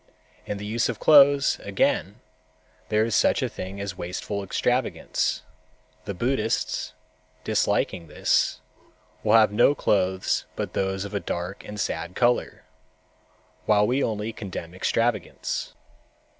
In the use of clothes, again, there is such a thing as wasteful extravagance. The Buddhists, disliking this, will have no clothes but those of a dark and sad color, while we only condemn extravagance.